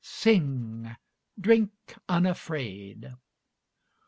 Sing! drink unafraid.